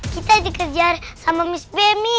kita dikejar sama miss bemi